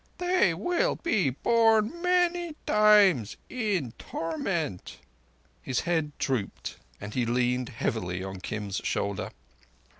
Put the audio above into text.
They will be born many times—in torment." His head drooped, and he leaned heavily on Kim's shoulder.